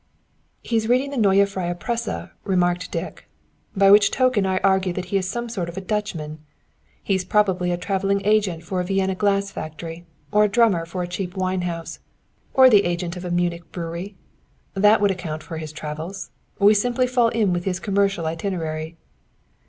"He's reading the Neue Freie Presse," remarked Dick, "by which token I argue that he's some sort of a Dutchman. He's probably a traveling agent for a Vienna glass factory, or a drummer for a cheap wine house, or the agent for a Munich brewery. That would account for his travels. We simply fall in with his commercial itinerary."